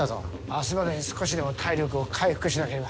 明日までに少しでも体力を回復しなければ。